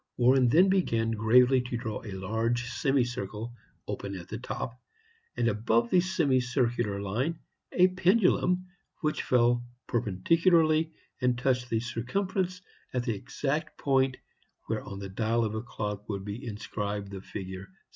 Warren then began gravely to draw a large semicircle, open at the top, and above the semicircular line a pendulum, which fell perpendicularly and touched the circumference at the exact point where on the dial of a clock would be inscribed the figure VI.